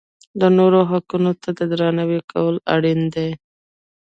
د نورو حقونو ته درناوی کول اړین دي.